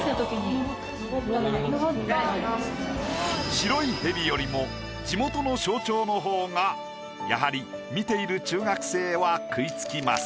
白いヘビよりも地元の象徴のほうがやはり見ている中学生は食い付きます。